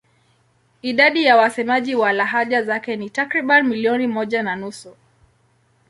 Idadi ya wasemaji wa lahaja zake ni takriban milioni moja na nusu.